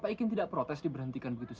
pak ikin tidak protes diberhentikan begitu saja